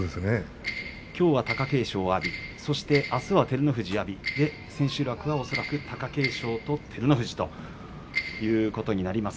きょうは貴景勝、阿炎そしてあすは照ノ富士、阿炎で千秋楽は恐らく貴景勝と照ノ富士ということになります。